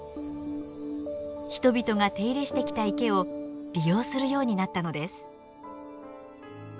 人々が手入れしてきた池を利用するようになったのです。